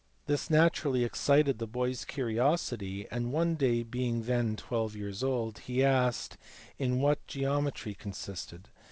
This naturally excited the boy s curiosity, and one day being then twelve years old he asked in what geometry consisted.